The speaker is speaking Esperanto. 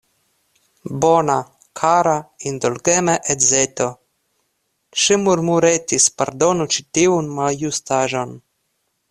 Bona, kara, indulgema edzeto, ŝi murmuretis, pardonu ĉi tiun maljustaĵon.